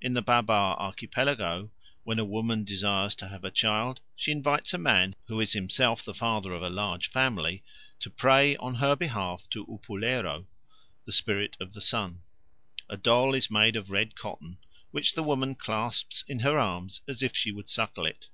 In the Babar Archipelago, when a woman desires to have a child, she invites a man who is himself the father of a large family to pray on her behalf to Upulero, the spirit of the sun. A doll is made of red cotton, which the woman clasps in her arms, as if she would suckle it.